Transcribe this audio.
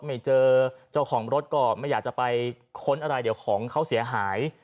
ไม่เจอเจ้าของรถก็ไม่อยากจะไปค้นอะไรเดี๋ยวของเขาเสียหาย